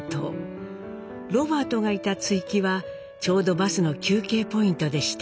ロバートがいた築城はちょうどバスの休憩ポイントでした。